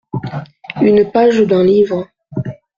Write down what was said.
Une page d’un livre.